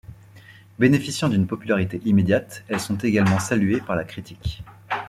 Bénéficiant d’une popularité immédiate, elles sont également saluées par la critique.